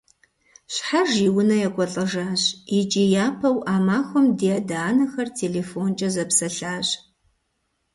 Щхьэж и унэ екӀуэлӀэжащ, икӀи япэу а махуэм ди адэ-анэхэр телефонкӀэ зэпсэлъащ.